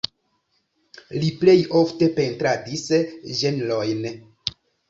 Li plej ofte pentradis ĝenrojn.